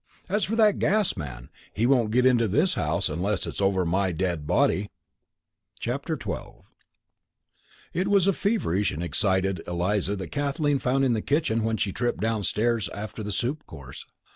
As for that gas man, he won't get into this house unless it's over my dead body!" XII It was a feverish and excited Eliza that Kathleen found in the kitchen when she tripped downstairs after the soup course.